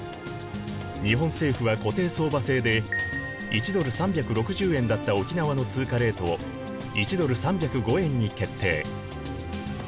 日本政府は固定相場制で１ドル３６０円だった沖縄の通貨レートを１ドル３０５円に決定。